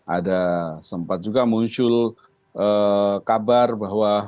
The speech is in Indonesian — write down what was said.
ada sempat juga muncul kabar bahwa